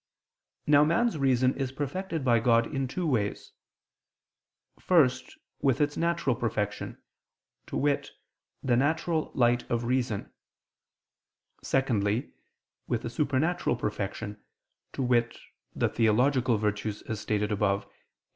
Now man's reason is perfected by God in two ways: first, with its natural perfection, to wit, the natural light of reason; secondly, with a supernatural perfection, to wit, the theological virtues, as stated above (Q.